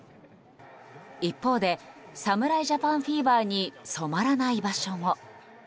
一方で、侍ジャパンフィーバーに染まらない場所も。